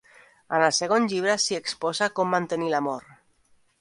En el segon llibre s'hi exposa com mantenir l'amor.